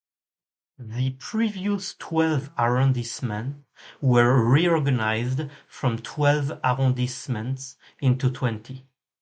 The previous twelve arrondissements were reorganized from twelve arrondissements into twenty.